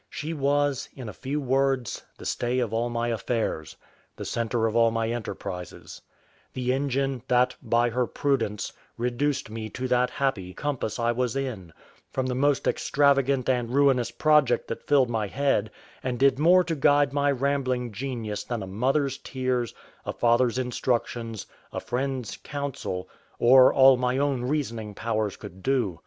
She was, in a few words, the stay of all my affairs; the centre of all my enterprises; the engine that, by her prudence, reduced me to that happy compass I was in, from the most extravagant and ruinous project that filled my head, and did more to guide my rambling genius than a mother's tears, a father's instructions, a friend's counsel, or all my own reasoning powers could do.